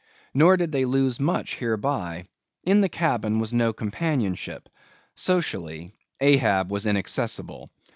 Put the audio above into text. Nor did they lose much hereby; in the cabin was no companionship; socially, Ahab was inaccessible.